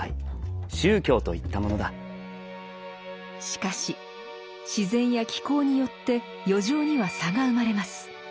しかし自然や気候によって余剰には差が生まれます。